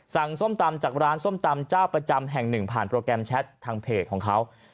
ส้มตำจากร้านส้มตำเจ้าประจำแห่งหนึ่งผ่านโปรแกรมแชททางเพจของเขา